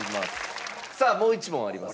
さあもう一問あります。